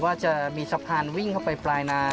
ว่าจะมีสะพานวิ่งเข้าไปปลายนา